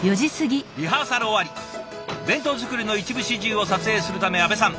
リハーサル終わり弁当作りの一部始終を撮影するため阿部さん